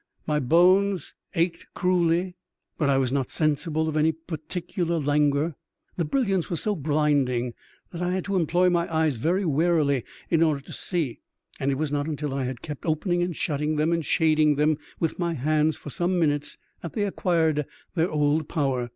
My bones ached cruelly, but I was not sensible of any particular languor. The brilliance was so blinding that I had to enploy my eyes very warily in order to see ; and it was not until I had kept opening and shutting them and shading them with my hands for some minutes that they acquired their old power.